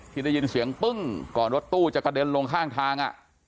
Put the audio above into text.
ที่ได้ยินเสียงปึ้งก่อนรถตู้จะกระเด็นลงข้างทาง